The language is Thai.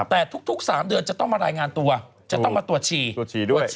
แต่ทุก๓เดือนจะต้องมารายงานตัวจะต้องมาตรวจชีตรวจชีด้วย